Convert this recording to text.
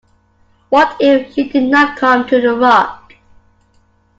What if she did not come to the rock.